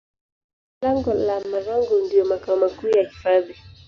Lango la Marangu ndiyo makao makuu ya hifadhi